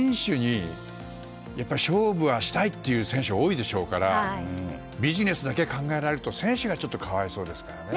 勝負したいという選手が多いでしょうからビジネスだけ考えられると選手がちょっと可哀想ですからね。